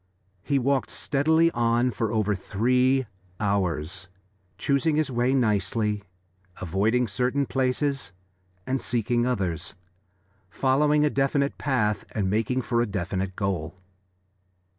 He walked steadily on for over three hours, choosing his way nicely, avoiding certain places and seeking others, following a definite path and making for a definite goal.